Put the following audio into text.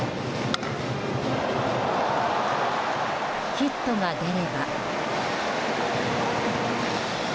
ヒットが出れば。